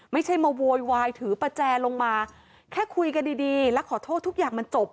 ไม่ใช่มาโวยวายถือประแจลงมาแค่คุยกันดีดีแล้วขอโทษทุกอย่างมันจบ